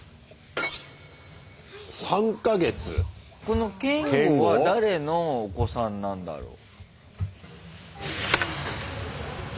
このけんごは誰のお子さんなんだろう？